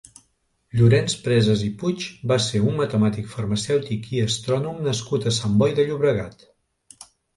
Llorenç Presas i Puig va ser un matemàtic, farmacèutic i astrònom nascut a Sant Boi de Llobregat.